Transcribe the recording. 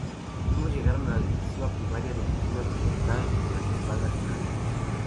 Ambos llegaron a la decisiva primaria de Virginia Occidental con las espadas en alto.